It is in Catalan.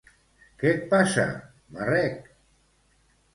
Què et passa, marrec?